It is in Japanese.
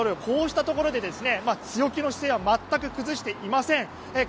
こうしたところで強気の姿勢は全く崩していません。